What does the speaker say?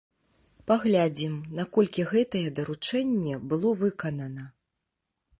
Паглядзім, наколькі гэтае даручэнне было выканана.